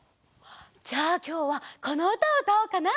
じゃあきょうはこのうたをうたおうかな。